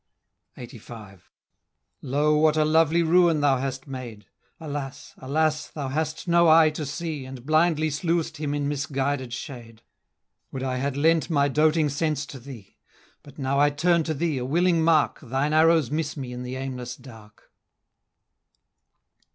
LXXXV. "Lo! what a lovely ruin thou hast made! Alas! alas! thou hast no eye to see, And blindly slew'st him in misguided shade. Would I had lent my doting sense to thee! But now I turn to thee, a willing mark, Thine arrows miss me in the aimless dark!"